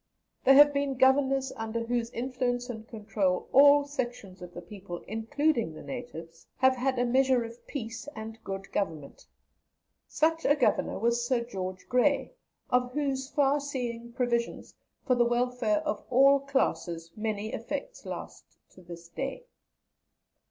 There have been Governors under whose influence and control all sections of the people, including the natives, have had a measure of peace and good government. Such a Governor was Sir George Grey, of whose far seeing provisions for the welfare of all classes many effects last to this day.